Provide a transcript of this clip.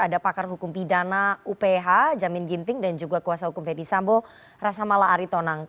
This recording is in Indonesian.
ada pakar hukum pidana uph jamin ginting dan juga kuasa hukum fedi sambo rasha malla aritonang